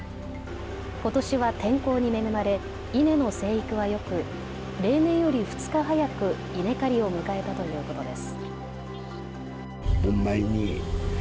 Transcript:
ことしは天候に恵まれ稲の生育はよく例年より２日早く、稲刈りを迎えたということです。